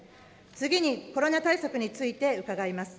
次に、コロナ対策について伺います。